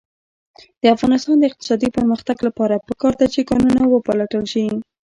د افغانستان د اقتصادي پرمختګ لپاره پکار ده چې کانونه وپلټل شي.